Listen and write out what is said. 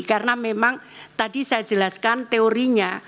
karena memang tadi saya jelaskan teorinya